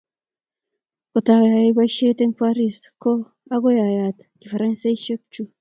koto owe ayai boisie eng Paris, ko akoi ayat kifaransekchu